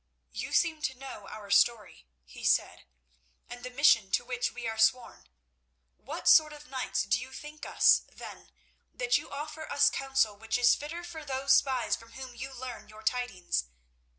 "You seem to know our story," he said, "and the mission to which we are sworn. What sort of knights do you think us, then, that you offer us counsel which is fitter for those spies from whom you learn your tidings?